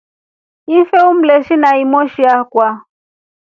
Ife umleshinai moshi wakwa.